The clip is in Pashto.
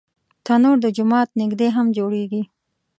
تنور د جومات نږدې هم جوړېږي